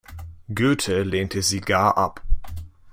Goethe lehnte sie gar ab.